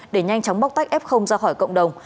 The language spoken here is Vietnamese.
để nhanh chóng bóc tách f ra khỏi cộng đồng